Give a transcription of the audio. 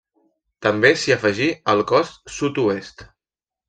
També s'hi afegí el cos sud-oest.